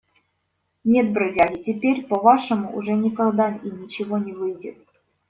Нет, бродяги, теперь по-вашему уже никогда и ничего не выйдет.